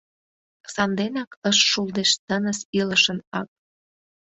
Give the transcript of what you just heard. Санденак ыш шулдешт тыныс илышын ак.